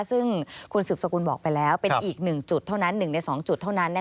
ซึ่งคุณสืบสกุลบอกไปแล้วเป็นอีก๑ใน๒จุดเท่านั้น